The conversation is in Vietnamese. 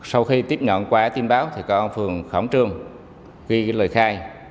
sau khi tiếp nhận qua tin báo phường khóng trương ghi lời khai